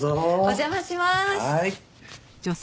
お邪魔します。